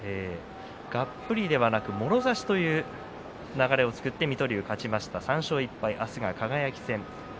がっぷりではなくもろ差しという流れを作って水戸龍、勝ちました。